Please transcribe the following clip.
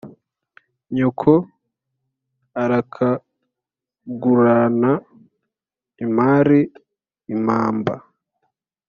nyoko arakagurana impari: impamba